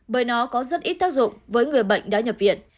bởi nó có rất ít tác dụng với người bệnh đã nhập viện